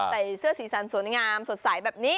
ใส่เสื้อสีสันสวยงามสดใสแบบนี้